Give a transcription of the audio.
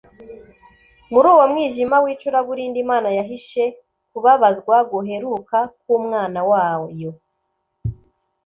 muri uwo mwijima w’icuraburindi, imana yahishe kubabazwa guheruka k’umwana wayo